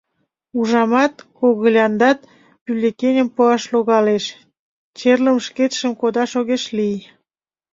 — Ужамат, когыляндат бюллетеньым пуаш логалеш — черлым шкетшым кодаш огеш лий.